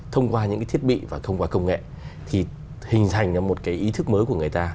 thông qua những cái thiết bị và thông qua công nghệ thì hình thành ra một cái ý thức mới của người ta